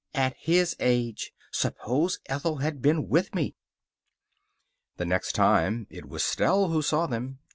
At his age! Suppose Ethel had been with me!" The next time it was Stell who saw them.